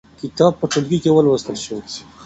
کتاب په ټولګي کې ولوستل شو.